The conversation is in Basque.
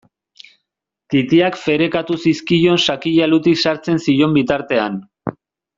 Titiak ferekatu zizkion sakila alutik sartzen zion bitartean.